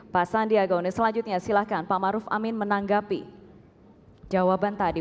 pak sandiagaune selanjutnya silakan pak maruf amin menanggapi jawaban tadi